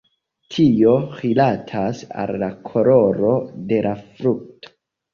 Tio rilatas al la koloro de la frukto.